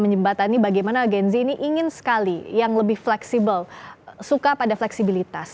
yang lebih fleksibel suka pada fleksibilitas